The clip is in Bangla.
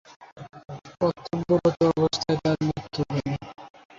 কর্তব্যরত অবস্থায় তার মৃত্যু হয়।